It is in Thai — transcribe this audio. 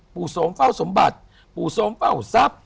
โสมเฝ้าสมบัติปู่โสมเฝ้าทรัพย์